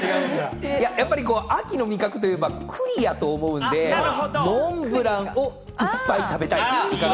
秋の味覚といえば、栗やと思うんで、モンブランをいっぱい食べたい！